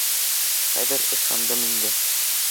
Хәҙер ышандым инде